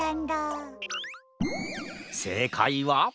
せいかいは？